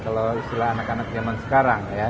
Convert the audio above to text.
kalau istilah anak anak zaman sekarang ya